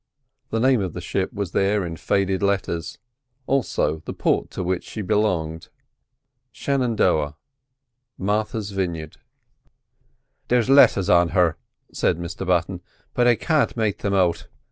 The name of the ship was there in faded letters, also the port to which she belonged. "Shenandoah. Martha's Vineyard." "There's letters on her," said Mr Button. "But I can't make thim out.